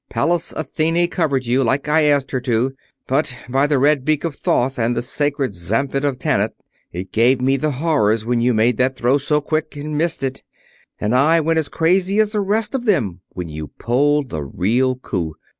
"Pallas Athene covered you, like I asked her to. But by the red beak of Thoth and the sacred Zaimph of Tanit, it gave me the horrors when you made that throw so quick and missed it, and I went as crazy as the rest of them when you pulled the real coup.